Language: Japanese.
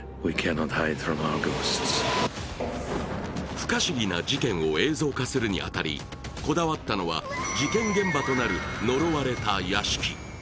不可思議な事件を映像化するにあたりこだわったのは、事件現場となる呪われた屋敷。